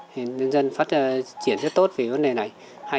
thì nhân dân phát triển rất tốt về vấn đề này